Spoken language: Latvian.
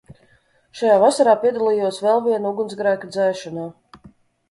Šajā vasarā piedalījos vēl viena ugunsgrēka dzēšanā.